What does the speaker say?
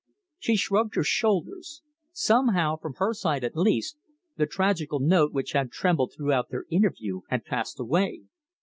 She shrugged her shoulders. Somehow, from her side at least, the tragical note which had trembled throughout their interview had passed away.